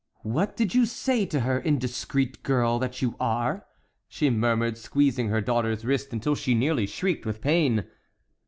"What did you say to her, indiscreet girl that you are?" she murmured, squeezing her daughter's wrist until she nearly shrieked with pain.